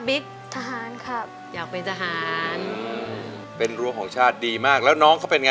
ทหารครับอยากเป็นทหารเป็นรั้วของชาติดีมากแล้วน้องเขาเป็นไง